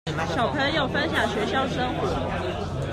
小朋友分享學校生活